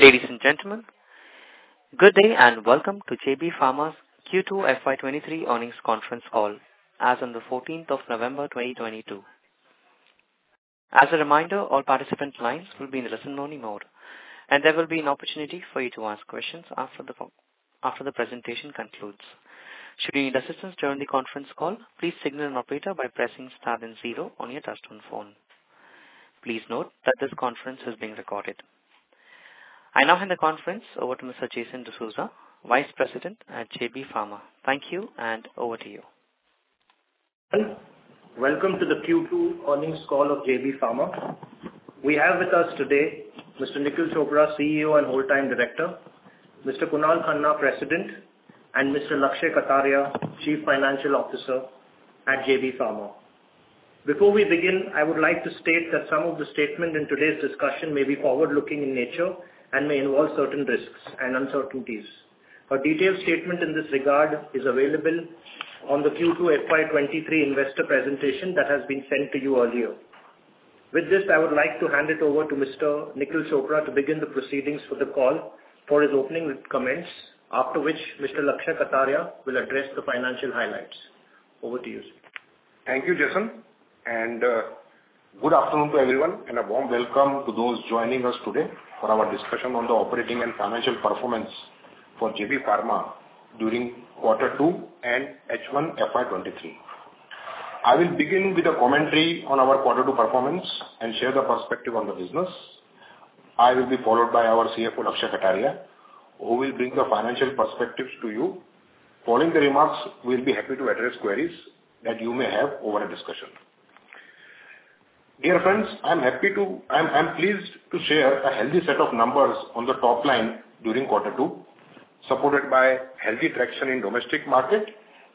Ladies and gentlemen, good day and welcome to JB Pharma's Q2 FY 2023 earnings conference call as on the 14th of November 2022. As a reminder, all participant lines will be in listen-only mode, and there will be an opportunity for you to ask questions after the presentation concludes. Should you need assistance during the conference call, please signal an operator by pressing star then zero on your touchtone phone. Please note that this conference is being recorded. I now hand the conference over to Mr. Jason D'Souza, Vice President at JB Pharma. Thank you and over to you. Welcome to the Q2 earnings call of JB Pharma. We have with us today Mr. Nikhil Chopra, CEO and Whole Time Director, Mr. Kunal Khanna, President, and Mr. Lakshay Kataria, Chief Financial Officer at JB Pharma. Before we begin, I would like to state that some of the statements in today's discussion may be forward-looking in nature and may involve certain risks and uncertainties. A detailed statement in this regard is available on the Q2 FY 2023 investor presentation that has been sent to you earlier. With this, I would like to hand it over to Mr. Nikhil Chopra to begin the proceedings for the call for his opening comments, after which Mr. Lakshay Kataria will address the financial highlights. Over to you, sir. Thank you, Jason, and good afternoon to everyone and a warm welcome to those joining us today for our discussion on the operating and financial performance for JB Pharma during quarter two and H1 FY 2023. I will begin with a commentary on our quarter two performance and share the perspective on the business. I will be followed by our CFO, Lakshay Kataria, who will bring the financial perspectives to you. Following the remarks, we'll be happy to address queries that you may have over a discussion. Dear friends, I'm pleased to share a healthy set of numbers on the top line during quarter two, supported by healthy traction in domestic market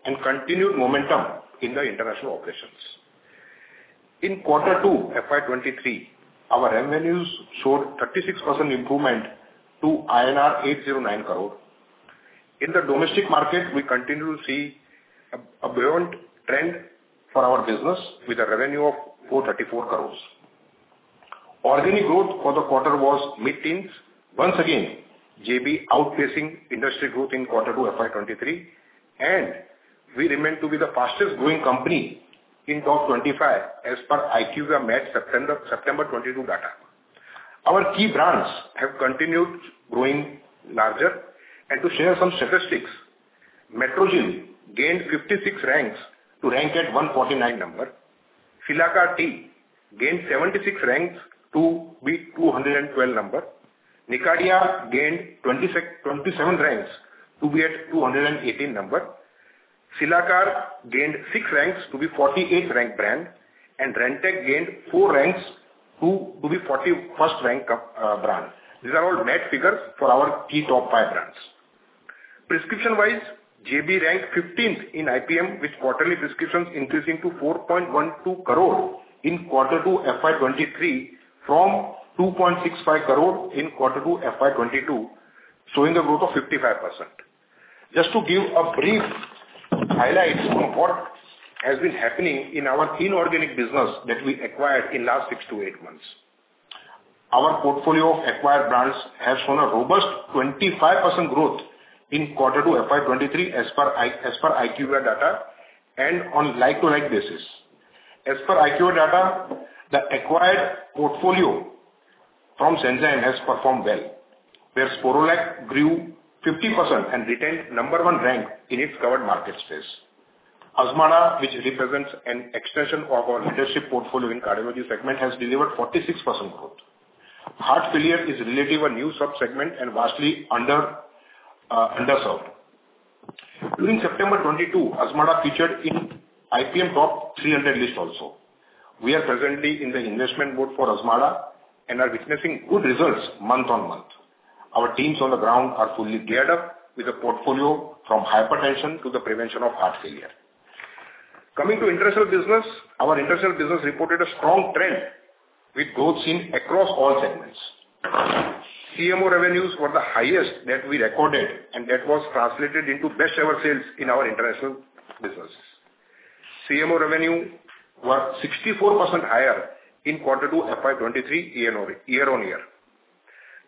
and continued momentum in the international operations. In quarter two FY 2023, our revenues showed 36% improvement to INR 809 crore. In the domestic market, we continue to see a buoyant trend for our business with a revenue of 434 crore. Organic growth for the quarter was mid-teens. Once again, JB outpacing industry growth in quarter two FY 2023 and we remain to be the fastest growing company in top 25 as per IQVIA MAT September 2022 data. Our key brands have continued growing larger. To share some statistics, Metrogyl gained 56 ranks to rank at number 149. Cilacar-T gained 76 ranks to be number 212. Nicardia gained 27 ranks to be at number 218. Cilacar gained six ranks to be 48th ranked brand, and Rantac gained 4 ranks to be 41st rank of brand. These are all net figures for our key top five brands. Prescription-wise, JB ranked 15th in IPM with quarterly prescriptions increasing to 4.12 crore in quarter two FY 2023 from 2.65 crore in quarter two FY 2022, showing a growth of 55%. Just to give a brief highlight of what has been happening in our inorganic business that we acquired in last 6 to 8 months. Our portfolio of acquired brands has shown a robust 25% growth in quarter two FY 2023 as per IQVIA data and on like-for-like basis. As per IQVIA data, the acquired portfolio from Sanzyme has performed well, where Sporlac grew 50% and retained number one rank in its covered market space. Azmarda, which represents an extension of our leadership portfolio in cardiology segment, has delivered 46% growth. Heart failure is relatively a new sub-segment and vastly underserved. During September 2022, Azmarda featured in IPM top 300 list also. We are presently in the investment mode for Azmarda and are witnessing good results month-on-month. Our teams on the ground are fully geared up with a portfolio from hypertension to the prevention of heart failure. Coming to international business. Our international business reported a strong trend with growth seen across all segments. CMO revenues were the highest that we recorded, and that was translated into best ever sales in our international businesses. CMO revenue was 64% higher in quarter 2 FY 2023 year-on-year.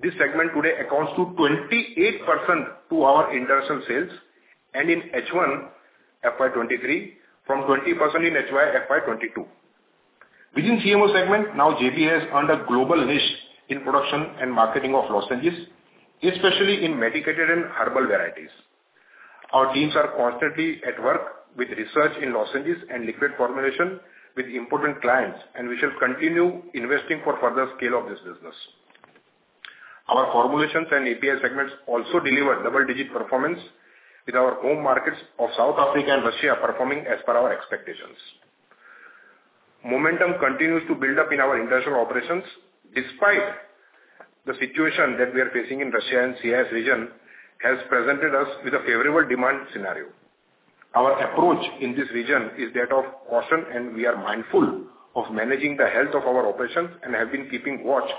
This segment today accounts for 28% of our international sales and in H1 FY 2023 from 20% in FY 2022. Within CMO segment, now JB has earned a global niche in production and marketing of lozenges, especially in medicated and herbal varieties. Our teams are constantly at work with research in lozenges and liquid formulation with important clients, and we shall continue investing for further scale of this business. Our formulations and API segments also delivered double-digit performance with our home markets of South Africa and Russia performing as per our expectations. Momentum continues to build up in our international operations despite the situation that we are facing in Russia and CIS region has presented us with a favorable demand scenario. Our approach in this region is that of caution, and we are mindful of managing the health of our operations and have been keeping watch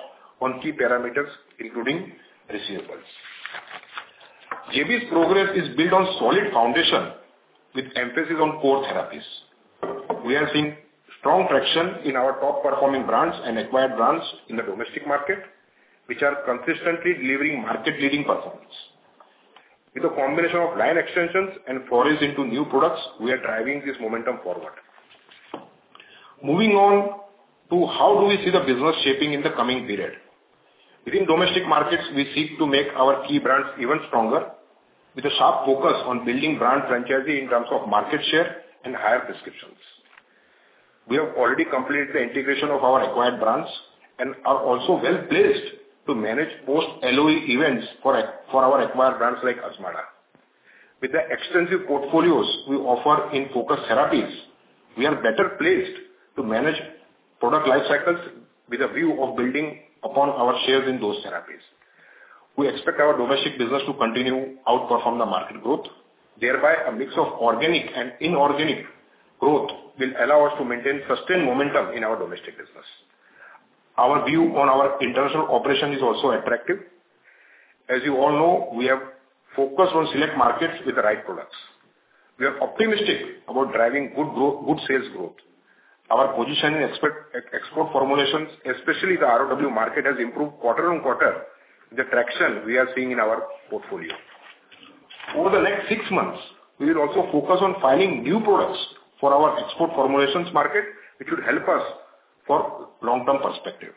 on key parameters, including receivables. JB's progress is built on solid foundation with emphasis on core therapies. We are seeing strong traction in our top-performing brands and acquired brands in the domestic market, which are consistently delivering market-leading performance. With a combination of line extensions and forays into new products, we are driving this momentum forward. Moving on to how we see the business shaping in the coming period. Within domestic markets, we seek to make our key brands even stronger with a sharp focus on building brand franchise in terms of market share and higher prescriptions. We have already completed the integration of our acquired brands and are also well-placed to manage post-LOE events for our acquired brands like Azmarda. With the extensive portfolios we offer in focus therapies, we are better placed to manage product life cycles with a view of building upon our shares in those therapies. We expect our domestic business to continue to outperform the market growth, thereby a mix of organic and inorganic growth will allow us to maintain sustained momentum in our domestic business. Our view on our international operation is also attractive. As you all know, we have focused on select markets with the right products. We are optimistic about driving good sales growth. Our position in export formulations, especially the ROW market, has improved quarter-on-quarter with the traction we are seeing in our portfolio. Over the next six months, we will also focus on filing new products for our export formulations market, which will help us for long-term perspective.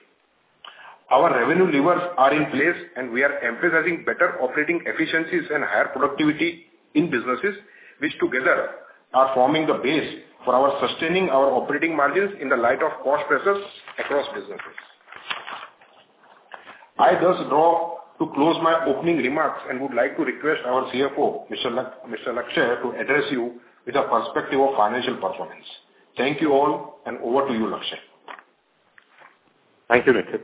Our revenue levers are in place, and we are emphasizing better operating efficiencies and higher productivity in businesses, which together are forming the base for our sustaining our operating margins in the light of cost pressures across businesses. I thus draw to close my opening remarks and would like to request our CFO, Mr. Lakshay Kataria, to address you with a perspective of financial performance. Thank you all, and over to you, Lakshay. Thank you, Nikhil.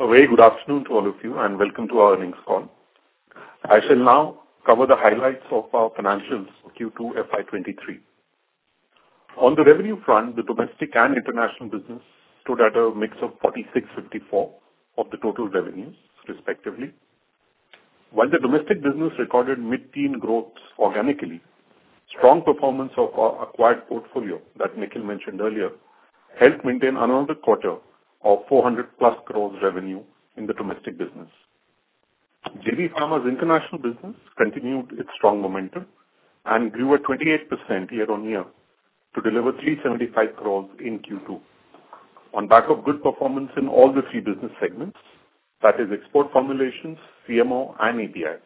A very good afternoon to all of you, and welcome to our earnings call. I shall now cover the highlights of our financials for Q2 FY 2023. On the revenue front, the domestic and international business stood at a mix of 46-54 of the total revenues respectively. While the domestic business recorded mid-teen growths organically, strong performance of our acquired portfolio that Nikhil mentioned earlier helped maintain another quarter of 400+ crores revenue in the domestic business. JB Pharma's international business continued its strong momentum and grew at 28% year-on-year to deliver 375 crores in Q2 on the back of good performance in all the three business segments, that is export formulations, CMO and API.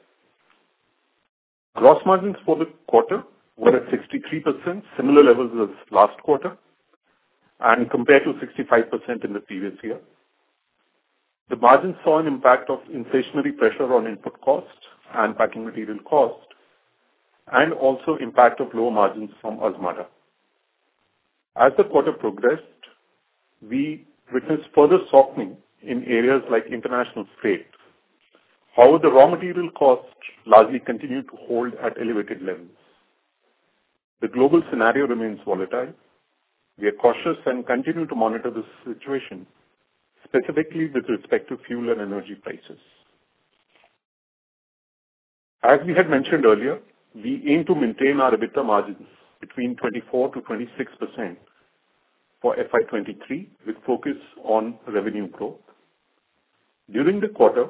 Gross margins for the quarter were at 63%, similar levels as last quarter, and compared to 65% in the previous year. The margins saw an impact of inflationary pressure on input costs and packing material cost and also impact of lower margins from Azmarda. As the quarter progressed, we witnessed further softening in areas like international freight. However, the raw material costs largely continued to hold at elevated levels. The global scenario remains volatile. We are cautious and continue to monitor the situation, specifically with respect to fuel and energy prices. As we had mentioned earlier, we aim to maintain our EBITDA margins between 24%-26% for FY 2023, with focus on revenue growth. During the quarter,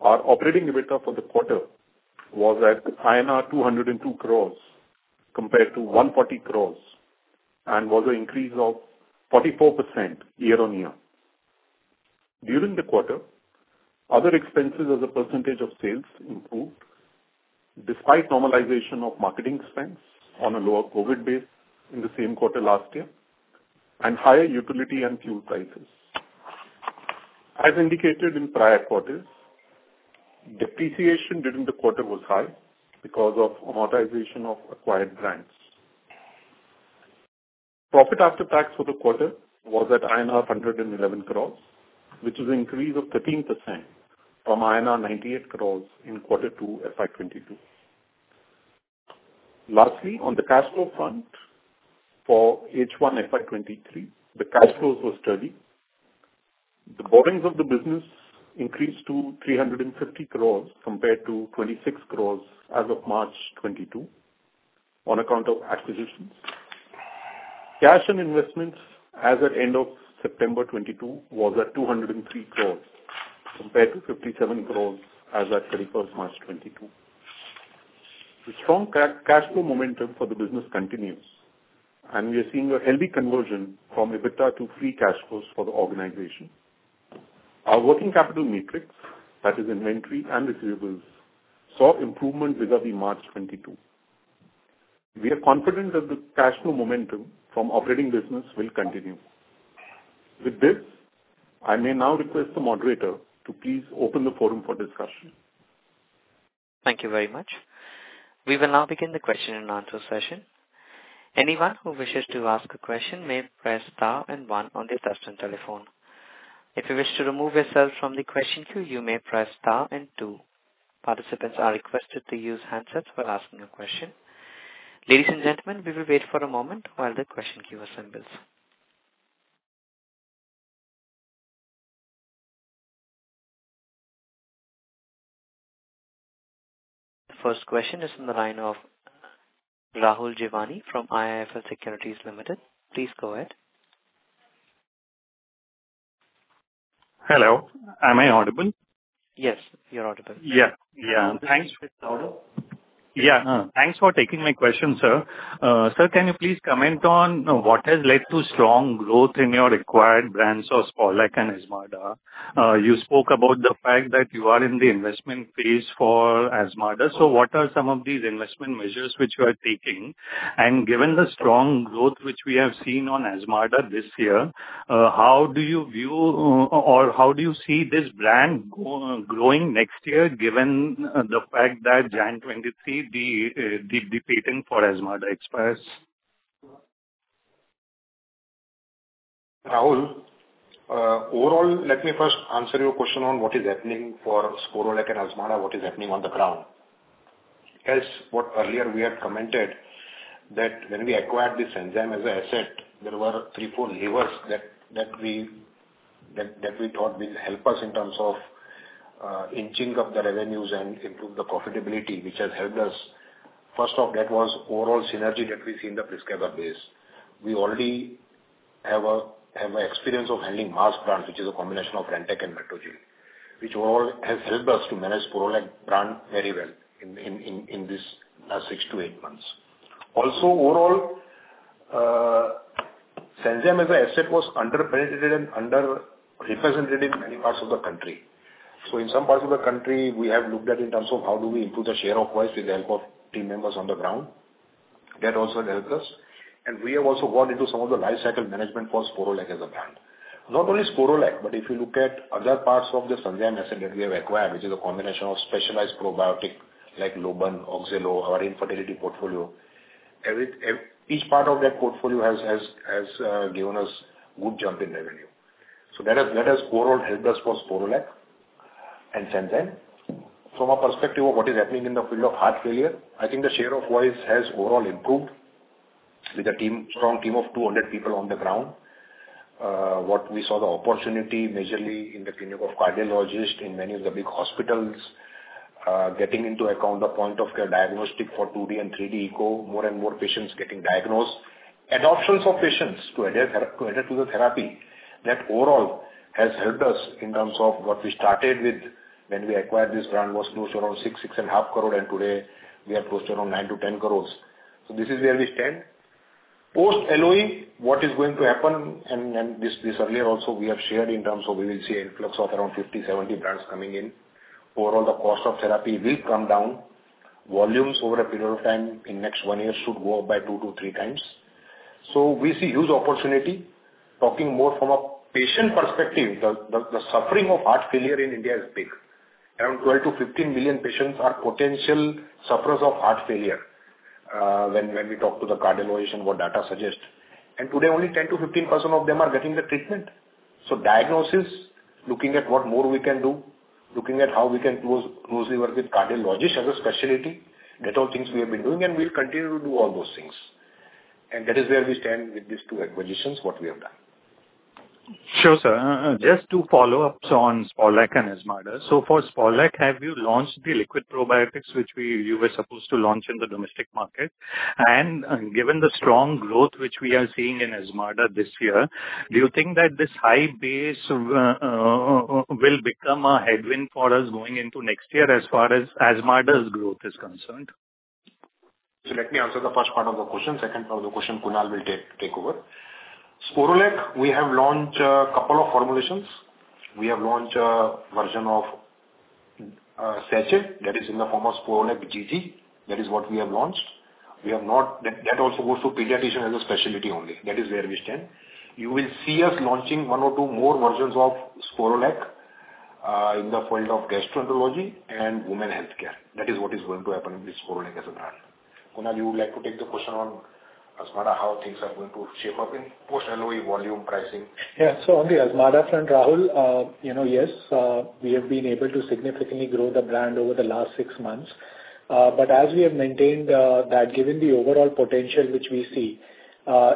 our operating EBITDA for the quarter was at INR 202 crore compared to 140 crore and was an increase of 44% year-on-year. During the quarter, other expenses as a percentage of sales improved despite normalization of marketing spends on a lower COVID base in the same quarter last year and higher utility and fuel prices. As indicated in prior quarters, depreciation during the quarter was high because of amortization of acquired brands. Profit after tax for the quarter was at INR 111 crores, which is an increase of 13% from INR 98 crores in quarter 2 FY 2022. Lastly, on the cash flow front, for H1 FY 2023, the cash flows were steady. The borrowings of the business increased to 350 crores compared to 26 crores as of March 2022 on account of acquisitions. Cash and investments as at end of September 2022 was at 203 crores compared to 57 crores as at 31 March 2022. The strong cash flow momentum for the business continues, and we are seeing a healthy conversion from EBITDA to free cash flows for the organization. Our working capital matrix, that is inventory and receivables, saw improvement vis-à-vis March 2022. We are confident that the cash flow momentum from operating business will continue. With this, I may now request the moderator to please open the forum for discussion. Thank you very much. We will now begin the question and answer session. Anyone who wishes to ask a question may press star and one on their touchtone telephone. If you wish to remove yourself from the question queue, you may press star and two. Participants are requested to use handsets while asking a question. Ladies and gentlemen, we will wait for a moment while the question queue assembles. First question is from the line of Rahul Jeewani from IIFL Securities Limited. Please go ahead. Hello. Am I audible? Yes, you're audible. Yeah. Thanks. Louder. Thanks for taking my question, sir. Sir, can you please comment on what has led to strong growth in your acquired brands of Sporlac and Azmarda? You spoke about the fact that you are in the investment phase for Azmarda, so what are some of these investment measures which you are taking? Given the strong growth which we have seen on Azmarda this year, how do you view or how do you see this brand growing next year, given the fact that January 2023, the patent for Azmarda expires? Rahul, overall, let me first answer your question on what is happening for Sporlac and Azmarda, what is happening on the ground. As what earlier we had commented, that when we acquired this Sanzyme as an asset, there were three to four levers that we thought will help us in terms of inching up the revenues and improve the profitability, which has helped us. First off, that was overall synergy that we see in the prescription base. We already have experience of handling mass brands, which is a combination of Rantac and Metrogyl, which all has helped us to manage Sporlac brand very well in this six to eight months. Also, overall, Sanzyme as an asset was under-penetrated and underrepresented in many parts of the country. In some parts of the country, we have looked at in terms of how do we improve the share of voice with the help of team members on the ground. That also has helped us. We have also gone into some of the lifecycle management for Sporlac as a brand. Not only Sporlac, but if you look at other parts of the Sanzyme asset that we have acquired, which is a combination of specialized probiotic like Lobun, Oxalo, our infertility portfolio, each part of that portfolio has given us good jump in revenue. That has overall helped us for Sporlac and Sanzyme. From a perspective of what is happening in the field of heart failure, I think the share of voice has overall improved with a strong team of 200 people on the ground. What we saw the opportunity majorly in the clinic of cardiologists in many of the big hospitals, getting into account the point-of-care diagnostic for 2D and 3D echo, more and more patients getting diagnosed. Adoption of patients to adhere to the therapy, that overall has helped us in terms of what we started with when we acquired this brand was close to around 6 crore-6.5 crore, and today we have closed around 9 crore-10 crore. This is where we stand. Post-LOE, what is going to happen and this earlier also we have shared in terms of we will see an influx of around 50-70 brands coming in. Overall, the cost of therapy will come down. Volumes over a period of time in next one year should go up by 2-3 times. We see huge opportunity. Talking more from a patient perspective, the suffering of heart failure in India is big. Around 12-15 million patients are potential sufferers of heart failure, when we talk to the cardiologist what data suggests. Today only 10%-15% of them are getting the treatment. Diagnosis, looking at what more we can do, looking at how we can closely work with cardiologist as a specialty. That all things we have been doing, and we'll continue to do all those things. That is where we stand with these two acquisitions, what we have done. Sure, sir. Just to follow up on Sporlac and Azmarda. For Sporlac, have you launched the liquid probiotics which you were supposed to launch in the domestic market? Given the strong growth which we are seeing in Azmarda this year, do you think that this high base will become a headwind for us going into next year as far as Azmarda's growth is concerned? Let me answer the first part of the question. Second part of the question, Kunal will take over. Sporlac, we have launched a couple of formulations. We have launched a version of sachet that is in the form of Sporlac GG. That is what we have launched. That also goes to pediatrician as a specialty only. That is where we stand. You will see us launching one or two more versions of Sporlac in the field of gastroenterology and women healthcare. That is what is going to happen with Sporlac as a brand. Kunal, you would like to take the question on Azmarda, how things are going to shape up in post-LOE volume pricing? Yeah. On the Azmarda front, Rahul, you know, yes, we have been able to significantly grow the brand over the last six months. As we have maintained, that given the overall potential which we see,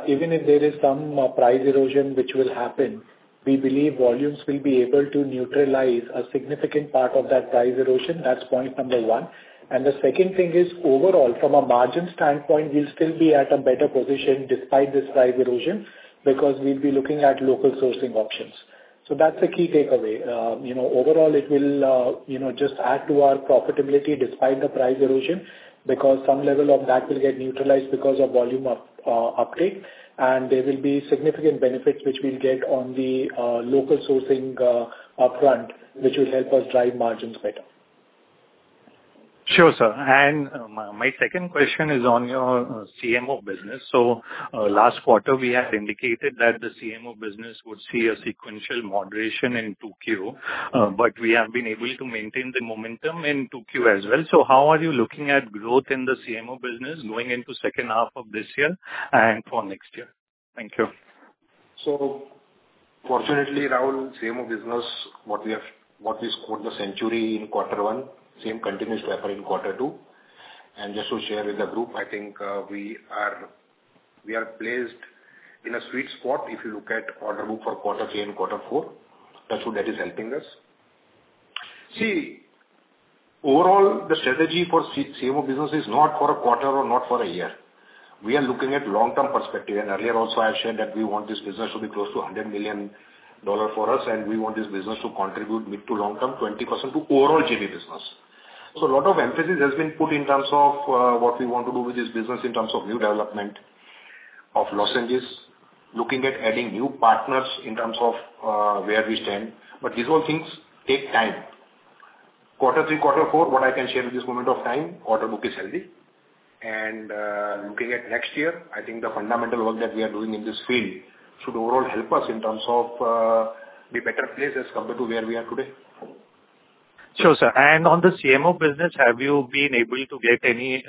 even if there is some price erosion which will happen, we believe volumes will be able to neutralize a significant part of that price erosion. That's point number one. The second thing is overall from a margin standpoint, we'll still be at a better position despite this price erosion because we'll be looking at local sourcing options. That's the key takeaway. You know, overall it will, you know, just add to our profitability despite the price erosion because some level of that will get neutralized because of volume uptake. There will be significant benefits which we'll get on the local sourcing upfront, which will help us drive margins better. Sure, sir. My second question is on your CMO business. Last quarter we had indicated that the CMO business would see a sequential moderation in 2Q. But we have been able to maintain the momentum in 2Q as well. How are you looking at growth in the CMO business going into second half of this year and for next year? Thank you. Fortunately, Rahul, CDMO business, what we scored in the current year in quarter one, same continues to happen in quarter two. Just to share with the group, I think, we are placed in a sweet spot if you look at order book for quarter three and quarter four. That's what is helping us. See, overall the strategy for CDMO business is not for a quarter or not for a year. We are looking at long-term perspective. Earlier also I've shared that we want this business to be close to $100 million for us, and we want this business to contribute mid- to long-term 20% to overall generic business. A lot of emphasis has been put in terms of what we want to do with this business in terms of new development of lozenges, looking at adding new partners in terms of where we stand. These all things take time. Quarter three, quarter four, what I can share at this moment in time, order book is healthy. Looking at next year, I think the fundamental work that we are doing in this field should overall help us in terms of be better placed as compared to where we are today. Sure, sir. On the CMO business, have you been able to get any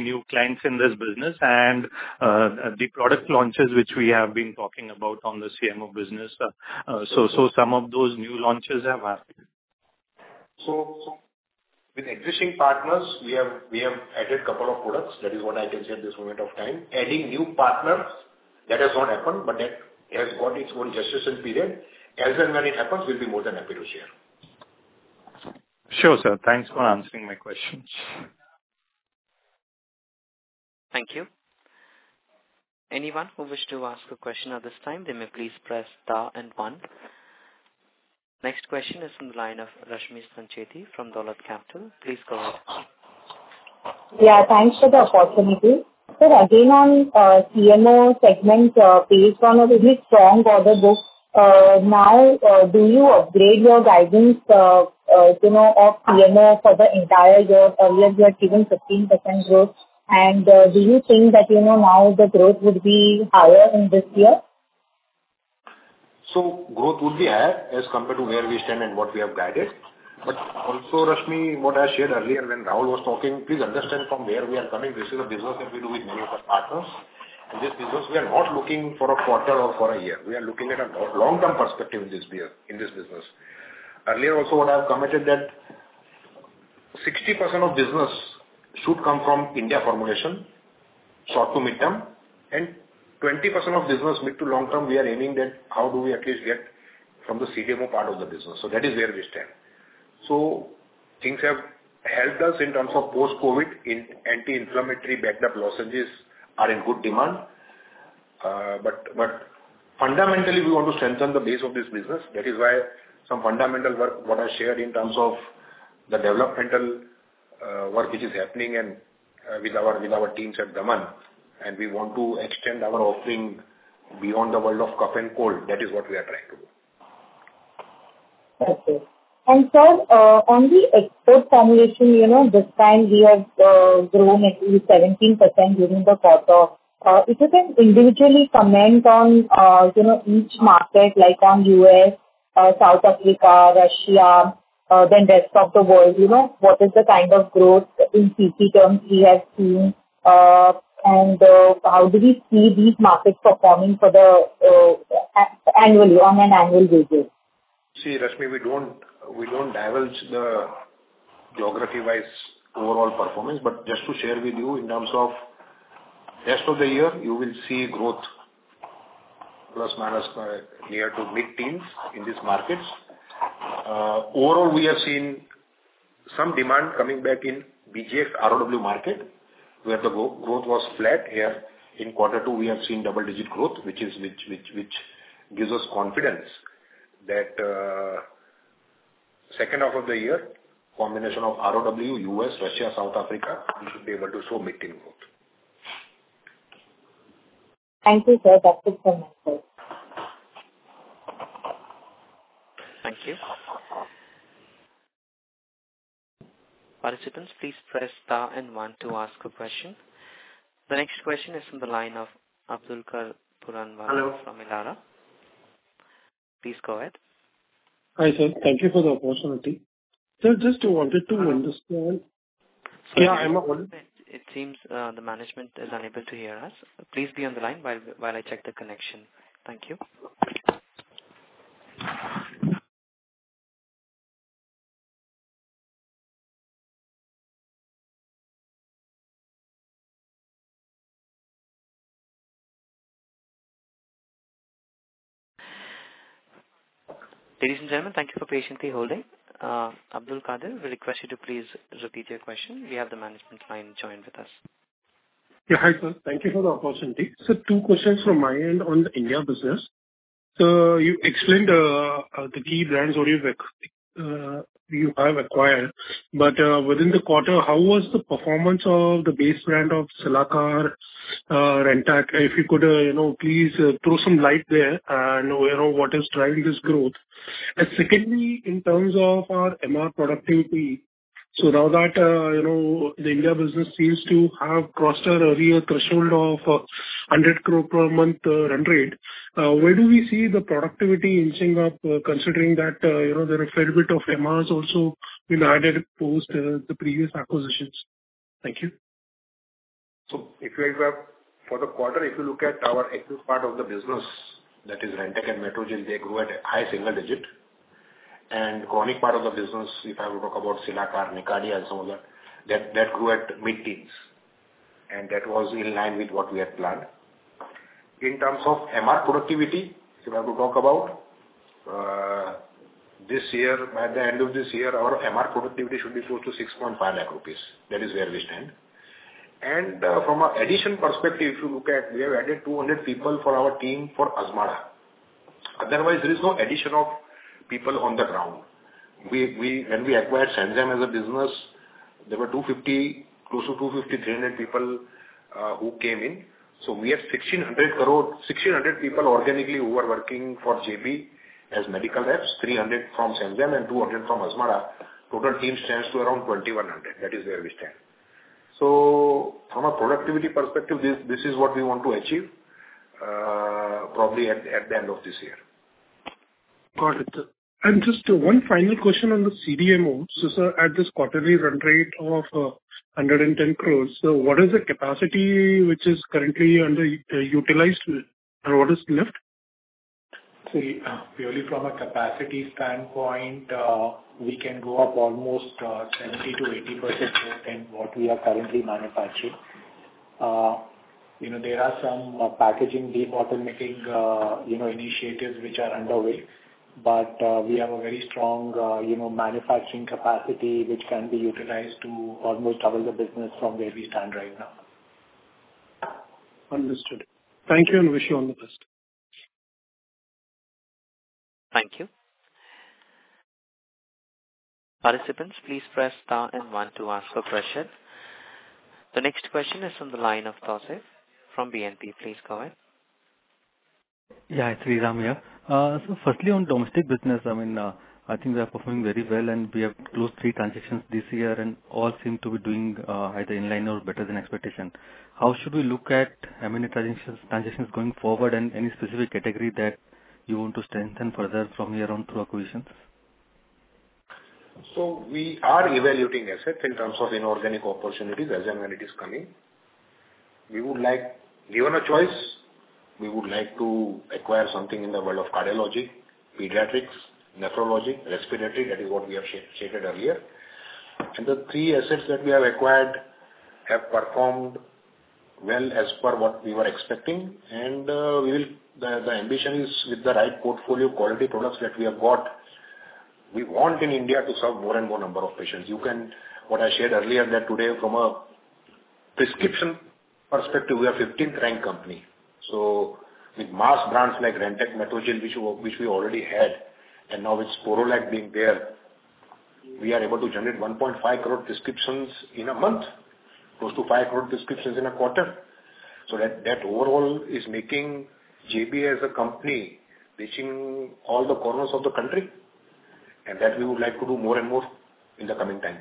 new clients in this business and the product launches which we have been talking about on the CMO business? Some of those new launches have happened. With existing partners, we have added couple of products. That is what I can share this moment of time. Adding new partners, that has not happened, but that has got its own gestation period. As and when it happens, we'll be more than happy to share. Sure, sir. Thanks for answering my questions. Thank you. Anyone who wish to ask a question at this time, they may please press star and one. Next question is from the line of Rashmi Sancheti from Dolat Capital. Please go ahead. Yeah, thanks for the opportunity. So again, on CMO segment, based on a very strong order book, now, do you upgrade your guidance, you know, of CMO for the entire year? Earlier you had given 15% growth. Do you think that, you know, now the growth would be higher in this year? Growth would be higher as compared to where we stand and what we have guided. Also, Rashmi, what I shared earlier when Rahul was talking, please understand from where we are coming. This is a business that we do with many of our partners. In this business we are not looking for a quarter or for a year. We are looking at a long-term perspective in this year, in this business. Earlier also, what I have committed that 60% of business should come from India formulation, short to mid-term, and 20% of business mid to long-term, we are aiming that how do we at least get from the CDMO part of the business. That is where we stand. Things have helped us in terms of post-COVID in anti-inflammatory backed up lozenges are in good demand. Fundamentally we want to strengthen the base of this business. That is why some fundamental work, what I shared in terms of the developmental work which is happening and with our teams at Daman. We want to extend our offering beyond the world of cough and cold. That is what we are trying to do. Okay. Sir, on the export formulation, you know, this time we have grown at least 17% during the quarter. If you can individually comment on, you know, each market like on US, South Africa, Russia, then rest of the world, you know, what is the kind of growth in CC terms we have seen? How do we see these markets performing annually, on an annual basis? See, Rashmi, we don't divulge the geography-wise overall performance. Just to share with you in terms of rest of the year, you will see growth plus minus near to mid-teens in these markets. Overall, we have seen some demand coming back in BG's ROW market, where the growth was flat. Here in quarter two, we have seen double-digit growth, which gives us confidence that second half of the year, combination of ROW, US, Russia, South Africa, we should be able to show mid-teen growth. Thank you, sir. That's it from my side. Thank you. Participants, please press star and one to ask a question. The next question is from the line of Abdulkader Puranwala- Hello. -from Elara. Please go ahead. Hi, sir. Thank you for the opportunity. Sir, just wanted to understand. Sorry. Yeah. It seems the management is unable to hear us. Please be on the line while I check the connection. Thank you. Ladies and gentlemen, thank you for patiently holding. Abdulkader, we request you to please repeat your question. We have the management line joined with us. Yeah, hi sir. Thank you for the opportunity. Two questions from my end on the India business. You explained the key brands already that you have acquired, but within the quarter, how was the performance of the base brand of Cilacar, Rantac? If you could, you know, please throw some light there on, you know, what is driving this growth. Secondly, in terms of our MR productivity, now that the India business seems to have crossed our earlier threshold of 100 crore per month run rate, where do we see the productivity inching up, considering that there are fair bit of MRs also been added post the previous acquisitions? Thank you. For the quarter, if you look at our active part of the business that is Rantac and Metrogyl, they grew at a high single digit. Chronic part of the business, if I were to talk about Cilacar, Nicardia and some other, that grew at mid-teens, and that was in line with what we had planned. In terms of MR productivity, if I have to talk about this year, by the end of this year, our MR productivity should be close to 6.5 lakh rupees. That is where we stand. From an addition perspective, if you look at, we have added 200 people for our team for Azmarda. Otherwise, there is no addition of people on the ground. When we acquired Sanzyme as a business, there were 250, close to 250, 300 people who came in. We have 1,600 people organically who are working for JB as medical reps, 300 from Sanzyme and 200 from Azmarda. Total team stands to around 2,100. That is where we stand. From a productivity perspective, this is what we want to achieve, probably at the end of this year. Got it. Just one final question on the CDMO. Sir, at this quarterly run rate of 110 crores, so what is the capacity which is currently underutilized, and what is left? See, purely from a capacity standpoint, we can go up almost 70%-80% more than what we are currently manufacturing. You know, there are some packaging debottlenecking initiatives which are underway, but we have a very strong manufacturing capacity which can be utilized to almost double the business from where we stand right now. Understood. Thank you, and wish you all the best. Thank you. Participants, please press star and one to ask a question. The next question is on the line of Tausif from BNP. Please go ahead. Yeah. Tausif here. First, on domestic business, I mean, I think we are performing very well, and we have closed three transactions this year and all seem to be doing either in line or better than expectation. How should we look at how many transactions going forward and any specific category that you want to strengthen further from here on through acquisitions? We are evaluating assets in terms of inorganic opportunities as and when it is coming. We would like. Given a choice, we would like to acquire something in the world of cardiology, pediatrics, nephrology, respiratory. That is what we have stated earlier. The three assets that we have acquired have performed well as per what we were expecting. The ambition is with the right portfolio quality products that we have got, we want in India to serve more and more number of patients. What I shared earlier that today from a prescription perspective, we are 15th ranked company. With mass brands like Rantac, Metrogyl, which we already had, and now with Sporlac being there, we are able to generate 1.5 crore prescriptions in a month, close to 5 crore prescriptions in a quarter. That overall is making JB as a company reaching all the corners of the country, and that we would like to do more and more in the coming time.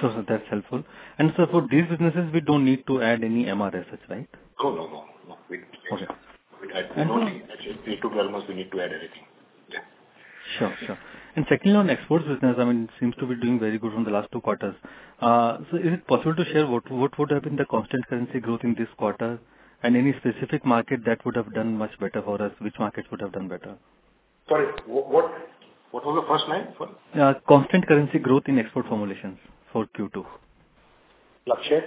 Sure, sir. That's helpful. Sir, for these businesses we don't need to add any MR assets, right? No, no. No Okay. We don't need. Actually, we need to add anything. Yeah. Sure, sure. Secondly, on exports business, I mean, it seems to be doing very good from the last two quarters. So is it possible to share what would have been the constant currency growth in this quarter and any specific market that would have done much better for us? Which market would have done better? Sorry, what was the first line? Sorry. Constant currency growth in export formulations for Q2. Lakshay.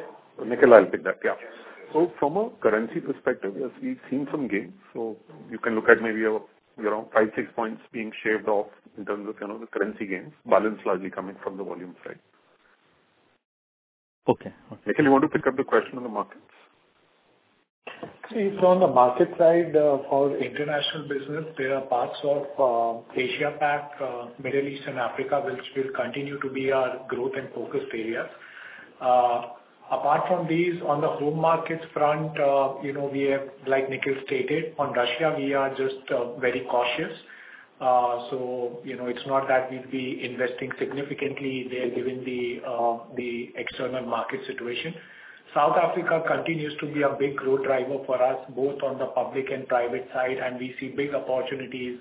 Nikhil, I'll pick that. Yeah. Yes. From a currency perspective, yes, we've seen some gains. You can look at maybe around 5-6 points being shaved off in terms of, you know, the currency gains. Balance largely coming from the volume side. Okay. Okay. Nikhil, you want to pick up the question on the markets? On the market side, for international business, there are parts of Asia PAC, Middle East and Africa which will continue to be our growth and focus areas. Apart from these, on the home markets front, you know, we have, like Nikhil stated, on Russia we are just very cautious. You know, it's not that we'd be investing significantly there given the external market situation. South Africa continues to be a big growth driver for us, both on the public and private side, and we see big opportunities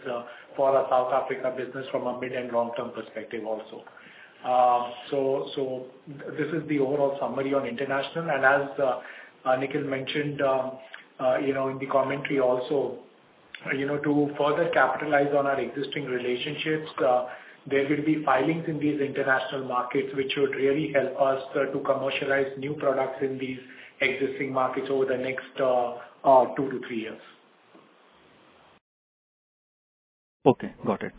for our South Africa business from a mid and long-term perspective also. This is the overall summary on international. As Nikhil mentioned, you know, in the commentary also, you know, to further capitalize on our existing relationships, there will be filings in these international markets which would really help us to commercialize new products in these existing markets over the next two to three years. Okay. Got it.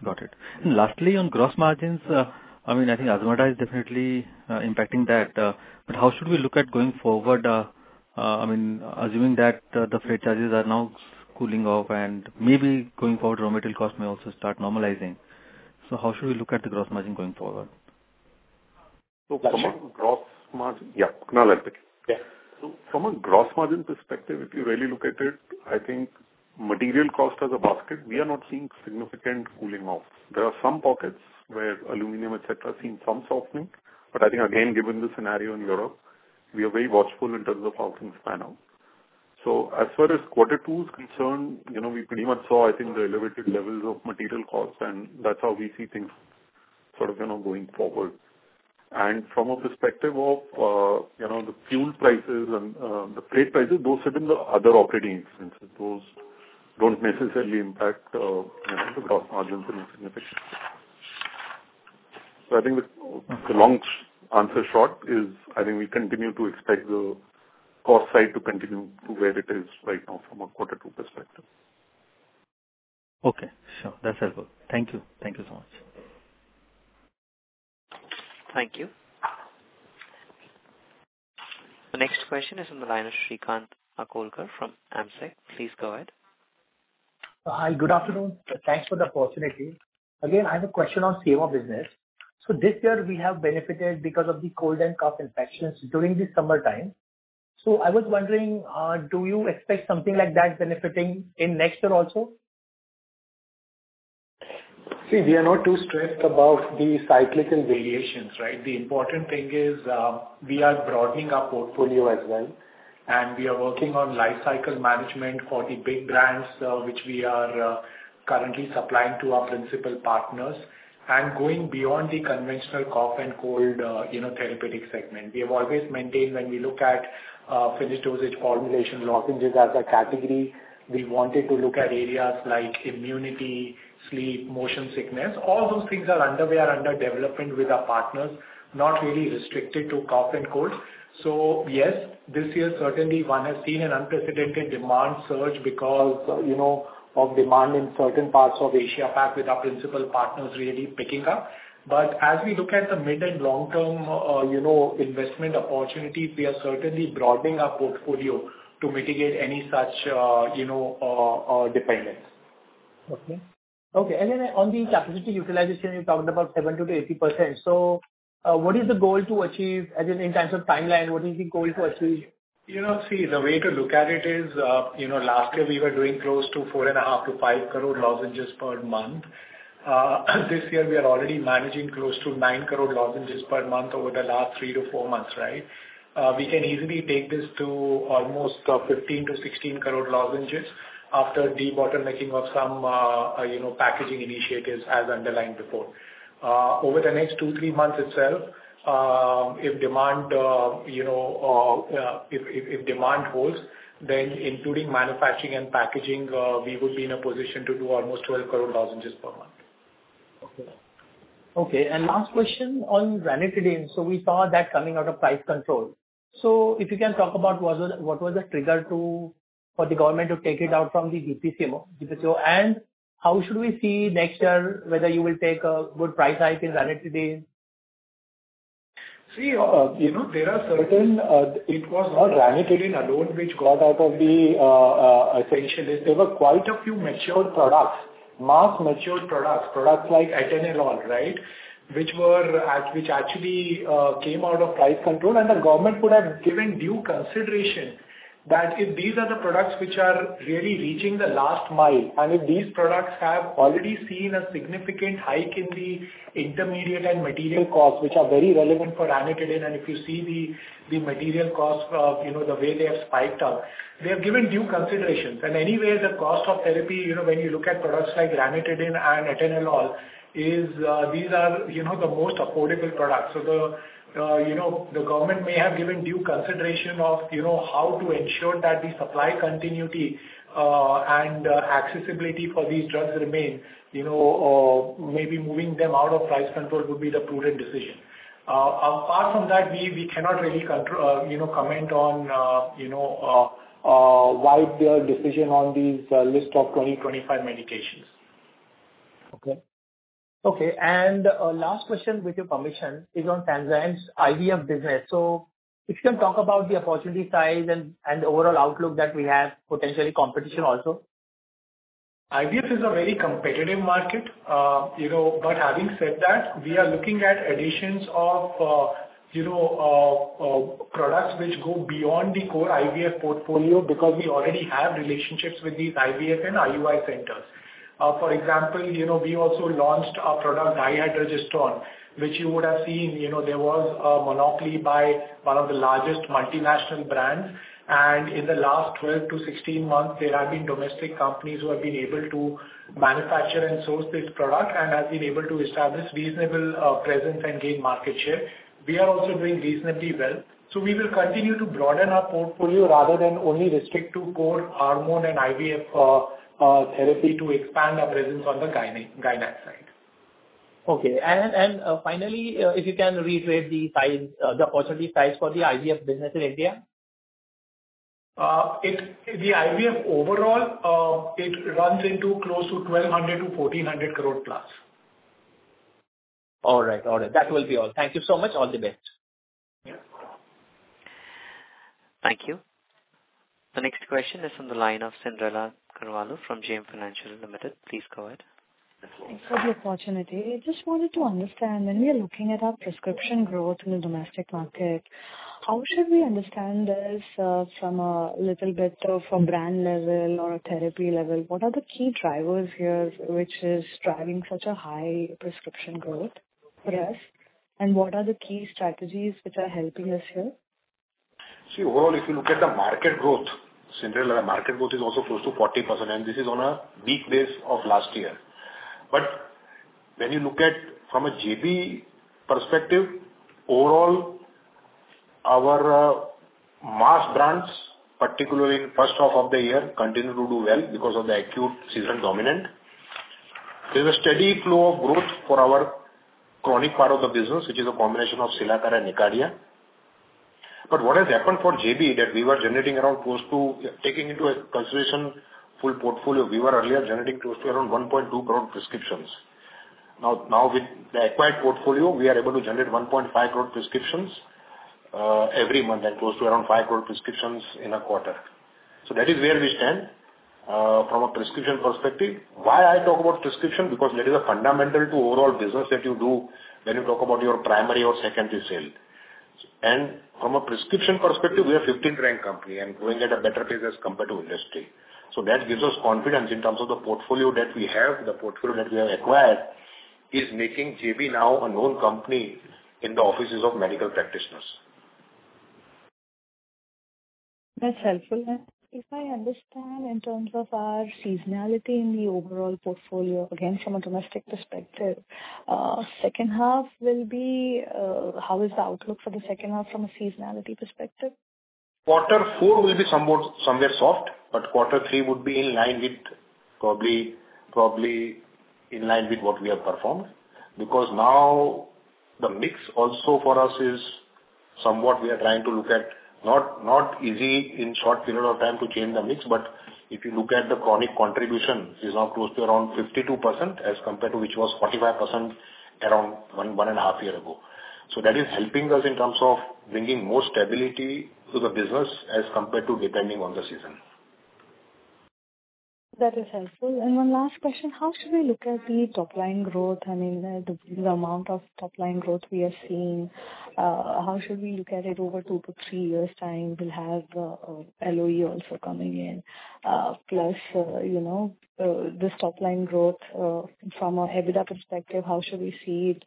Lastly, on gross margins, I mean, I think Azmarda is definitely impacting that, but how should we look at going forward, I mean, assuming that the freight charges are now cooling off and maybe going forward, raw material cost may also start normalizing. How should we look at the gross margin going forward? Yeah. No, I'll take it. Yeah. From a gross margin perspective, if you really look at it, I think material cost as a basket, we are not seeing significant cooling off. There are some pockets where aluminum, et cetera, have seen some softening. I think again, given the scenario in Europe, we are very watchful in terms of how things pan out. As far as quarter two is concerned, you know, we pretty much saw, I think, the elevated levels of material cost, and that's how we see things. Sort of, you know, going forward. From a perspective of, you know, the fuel prices and, the freight prices, those sit in the other operating expenses. Those don't necessarily impact, you know, the gross margins in any significant. The long answer short is I think we continue to expect the cost side to continue to where it is right now from a quarter two perspective. Okay, sure. That's helpful. Thank you. Thank you so much. Thank you. The next question is on the line of Shrikant Akolkar from AMSEC. Please go ahead. Hi, good afternoon. Thanks for the opportunity. Again, I have a question on CMO business. This year we have benefited because of the cold and cough infections during the summer time. I was wondering, do you expect something like that benefiting in next year also? See, we are not too stressed about the cyclical variations, right? The important thing is, we are broadening our portfolio as well, and we are working on life cycle management for the big brands, which we are currently supplying to our principal partners and going beyond the conventional cough and cold, you know, therapeutic segment. We have always maintained when we look at finished dosage formulation, lozenges as a category, we wanted to look at areas like immunity, sleep, motion sickness. All those things are underway or under development with our partners, not really restricted to cough and cold. Yes, this year certainly one has seen an unprecedented demand surge because, you know, of demand in certain parts of Asia-Pac with our principal partners really picking up. As we look at the mid and long-term, you know, investment opportunities, we are certainly broadening our portfolio to mitigate any such, you know, dependence. On the capacity utilization, you talked about 70%-80%. What is the goal to achieve, as in terms of timeline, what is the goal to achieve? You know, see, the way to look at it is, last year we were doing close to 4.5 crore-5 crore lozenges per month. This year we are already managing close to 9 crore lozenges per month over the last three to four months, right? We can easily take this to almost 15 crore-16 crore lozenges after debottlenecking of some packaging initiatives as underlined before. Over the next two to three months itself, if demand holds, then including manufacturing and packaging, we would be in a position to do almost 12 crore lozenges per month. Okay. Okay, last question on ranitidine. We saw that coming out of price control. If you can talk about what was the trigger for the government to take it out from the DPCO. How should we see next year whether you will take a good price hike in ranitidine? See, you know, there are certain, it was not ranitidine alone which got out of the essential list. There were quite a few mature products, mass-market mature products like atenolol, right? Which actually came out of price control. The government would have given due consideration that if these are the products which are really reaching the last mile, and if these products have already seen a significant hike in the intermediate and material costs, which are very relevant for ranitidine, and if you see the material costs of, you know, the way they have spiked up, they have given due considerations. Anyway the cost of therapy, you know, when you look at products like ranitidine and atenolol, is these are, you know, the most affordable products. The government may have given due consideration of, you know, how to ensure that the supply continuity and accessibility for these drugs remain, you know, maybe moving them out of price control would be the prudent decision. Apart from that, we cannot really control, you know, comment on, you know, why their decision on this list of 2025 medications. Okay, last question with your permission is on Sanzyme's IVF business. If you can talk about the opportunity size and the overall outlook that we have, potentially competition also? IVF is a very competitive market. You know, having said that, we are looking at additions of, you know, products which go beyond the core IVF portfolio because we already have relationships with these IVF and IUI centers. For example, you know, we also launched a product, dydrogesterone, which you would have seen, you know, there was a monopoly by one of the largest multinational brands. In the last 12-16 months, there have been domestic companies who have been able to manufacture and source this product and has been able to establish reasonable presence and gain market share. We are also doing reasonably well. We will continue to broaden our portfolio rather than only restrict to core hormone and IVF therapy to expand our presence on the gynae side. Finally, if you can reiterate the size, the opportunity size for the IVF business in India. The IVF overall, it runs into close to 1,200 crore-1,400 crore plus. All right. That will be all. Thank you so much. All the best. Yeah. Thank you. The next question is from the line of Cyndrella Carvalho from JM Financial Limited. Please go ahead. Thanks for the opportunity. Just wanted to understand, when we are looking at our prescription growth in the domestic market, how should we understand this, from a little bit from brand level or a therapy level? What are the key drivers here which is driving such a high prescription growth for us? What are the key strategies which are helping us here? See, overall, if you look at the market growth, chronic market growth is also close to 40%, and this is on a weak base of last year. When you look at from a JB perspective, overall, our mass brands, particularly in first half of the year, continue to do well because of the acute season dominant. There's a steady flow of growth for our chronic part of the business, which is a combination of Cilacar and Nicardia. What has happened for JB that we were generating. Taking into consideration full portfolio, we were earlier generating close to around 1.2 crore prescriptions. Now with the acquired portfolio, we are able to generate 1.5 crore prescriptions every month, and close to around 5 crore prescriptions in a quarter. That is where we stand from a prescription perspective. Why I talk about prescription because that is a fundamental to overall business that you do when you talk about your primary or secondary sale. From a prescription perspective, we are a 15th ranked company and growing at a better pace as compared to industry. That gives us confidence in terms of the portfolio that we have. The portfolio that we have acquired is making JB now a known company in the offices of medical practitioners. That's helpful. If I understand in terms of our seasonality in the overall portfolio, again, from a domestic perspective, second half will be, how is the outlook for the second half from a seasonality perspective? Quarter four will be somewhat somewhere soft, but quarter three would be in line with probably in line with what we have performed. Because now the mix also for us is somewhat we are trying to look at not easy in short period of time to change the mix, but if you look at the chronic contribution is now close to around 52% as compared to which was 45% around one and a half years ago. That is helping us in terms of bringing more stability to the business as compared to depending on the season. That is helpful. One last question. How should we look at the top line growth? I mean, the amount of top line growth we are seeing, how should we look at it over two to three years' time? We'll have LOE also coming in, plus, you know, this top line growth, from an EBITDA perspective, how should we see it,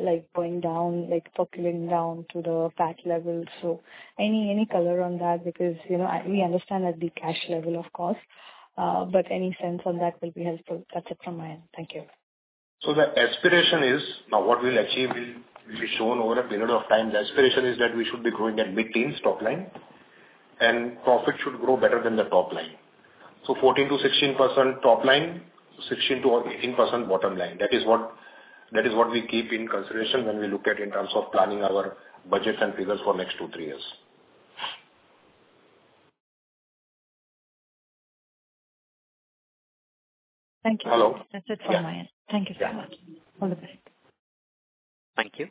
like, going down, like, percolating down to the PAT level? Any color on that because, you know, we understand that the cash level, of course, but any sense on that will be helpful. That's it from my end. Thank you. Now, what we'll achieve will be shown over a period of time. The aspiration is that we should be growing at mid-teens top line and profit should grow better than the top line. 14%-16% top line, 16%-18% bottom line. That is what we keep in consideration when we look at in terms of planning our budgets and figures for next two to three years. Thank you. Hello? That's it from my end. Thank you so much. All the best. Thank you.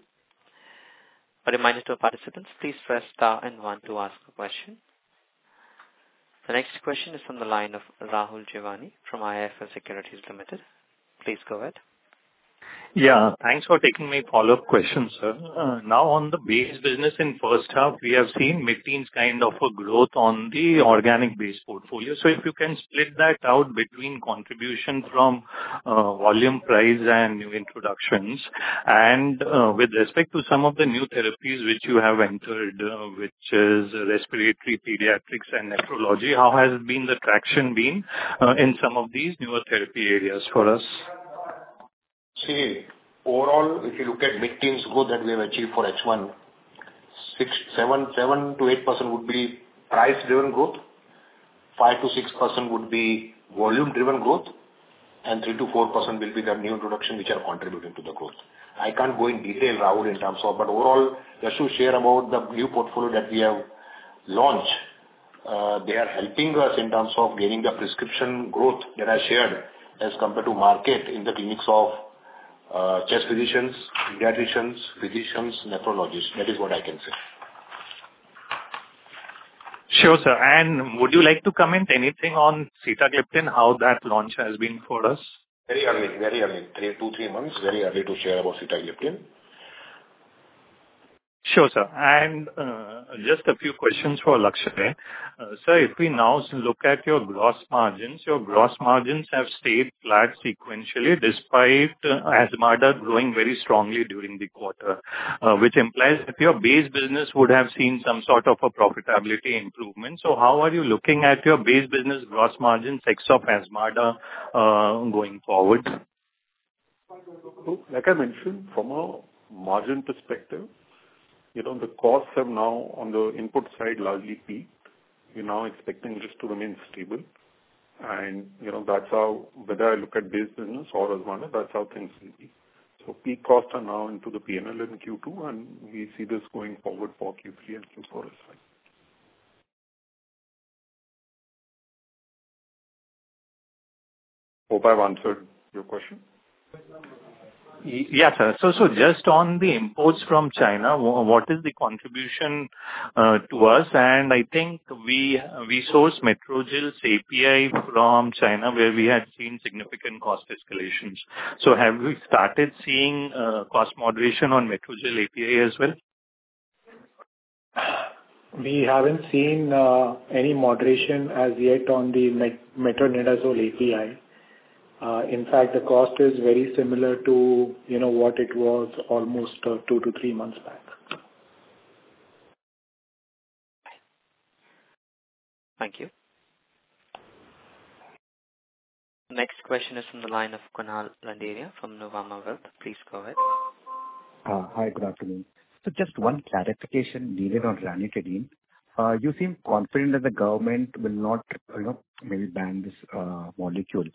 A reminder to our participants, please press star and one to ask a question. The next question is from the line of Rahul Jeewani from IIFL Securities Limited. Please go ahead. Yeah, thanks for taking my follow-up question, sir. Now on the base business in first half, we have seen mid-teens kind of a growth on the organic base portfolio. So if you can split that out between contribution from volume, price and new introductions. With respect to some of the new therapies which you have entered, which is respiratory pediatrics and nephrology, how has the traction been in some of these newer therapy areas for us? See, overall, if you look at mid-teens growth that we have achieved for H1, 7-8% would be price-driven growth, 5-6% would be volume-driven growth, and 3-4% will be the new introduction which are contributing to the growth. I can't go in detail, Rahul, in terms of. Overall, just to share about the new portfolio that we have launched, they are helping us in terms of gaining the prescription growth that I shared as compared to market in the clinics of chest physicians, pediatricians, physicians, nephrologists. That is what I can say. Sure, sir. Would you like to comment anything on Sitagliptin, how that launch has been for us? Very early. Two to three months. Very early to share about Sitagliptin. Sure, sir. Just a few questions for Lakshay. Sir, if we now look at your gross margins, your gross margins have stayed flat sequentially despite Azmarda growing very strongly during the quarter, which implies that your base business would have seen some sort of a profitability improvement. How are you looking at your base business gross margins ex of Azmarda going forward? Look, like I mentioned, from a margin perspective, you know, the costs have now on the input side largely peaked. We're now expecting this to remain stable. You know, that's how whether I look at base business or Azmarda, that's how things will be. Peak costs are now into the P&L in Q2, and we see this going forward for Q3 and Q4 as well. Hope I've answered your question. Yes, sir. Just on the imports from China, what is the contribution to us? I think we source Metrogyl's API from China, where we had seen significant cost escalations. Have we started seeing cost moderation on Metrogyl API as well? We haven't seen any moderation as yet on the metronidazole API. In fact, the cost is very similar to, you know, what it was almost two to three months back. Thank you. Next question is from the line of Kunal Randeria from Nuvama Wealth. Please go ahead. Hi, good afternoon. Just one clarification needed on ranitidine. You seem confident that the government will not, you know, maybe ban this molecule.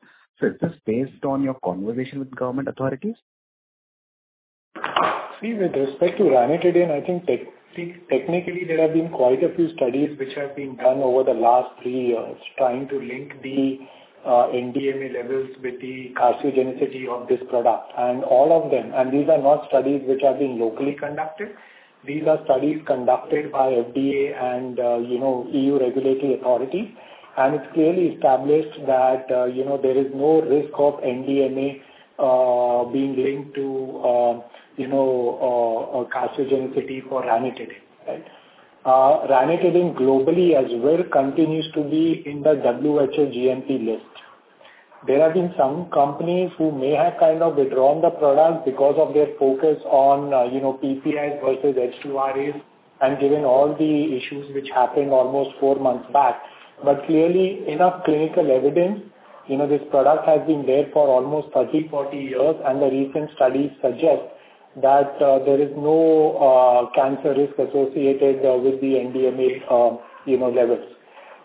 Is this based on your conversation with government authorities? See, with respect to ranitidine, I think technically there have been quite a few studies which have been done over the last three years trying to link the NDMA levels with the carcinogenicity of this product. These are not studies which are being locally conducted. These are studies conducted by FDA and you know, EU regulatory authorities. It's clearly established that you know, there is no risk of NDMA being linked to you know, carcinogenicity for ranitidine, right? Ranitidine globally as well continues to be in the WHO GMP list. There have been some companies who may have kind of withdrawn the product because of their focus on you know, PPIs versus H2RAs, and given all the issues which happened almost four months back. Clearly enough clinical evidence, you know, this product has been there for almost 30, 40 years, and the recent studies suggest that there is no cancer risk associated with the NDMA, you know, levels.